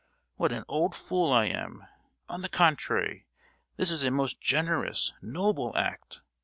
What an old fool I am! On the contrary, this is a most generous, noble act!